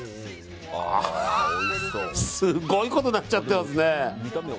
すごいことになっちゃってますね。